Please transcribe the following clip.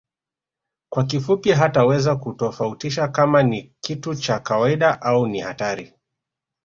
Kwa kifupi hataweza kutofautisha kama ni kitu cha kawaida au ni hatari